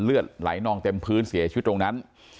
เลือดไหลนองเต็มพื้นเสียชีวิตตรงนั้น